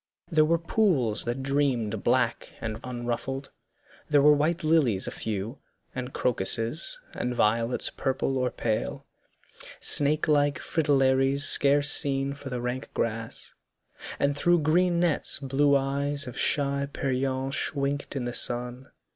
There were pools that dreamed Black and unruffled; there were white lilies A few, and crocuses, and violets Purple or pale, snake like fritillaries Scarce seen for the rank grass, and through green nets Blue eyes of shy peryenche winked in the sun.